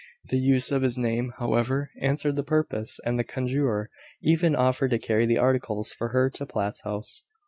The use of his name, however, answered the purpose, and the conjurer even offered to carry the articles for her to Platt's house.